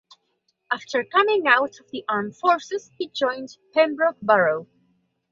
After coming out of the armed forces he joined Pembroke Borough.